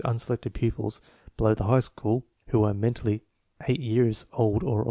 unselected pupils below the high school who are men tally eight years old or older.